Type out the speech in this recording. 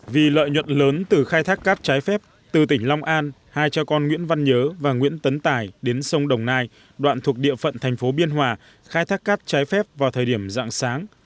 vì lợi nhuận lớn từ khai thác cát trái phép từ tỉnh long an hai cha con nguyễn văn nhớ và nguyễn tấn tài đến sông đồng nai đoạn thuộc địa phận thành phố biên hòa khai thác cát trái phép vào thời điểm dạng sáng